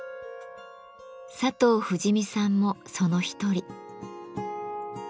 佐藤富士美さんもその一人。